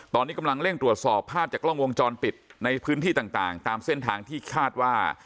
ตอนนี้กำลังเร่งตรวจสอบภาพจากกล้องวงจรปิดในพื้นที่ต่างตามเส้นทางที่คาดว่า